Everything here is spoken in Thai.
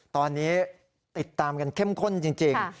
ตอนนี้ติดตามกันเข้มข้นจริง